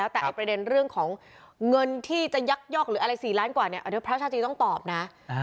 แต่ประเด็นเรื่องของเงินที่จะยักยอกสี่ล้านกว่าเนี่ยพระชาตรีจะต้องตอบนะ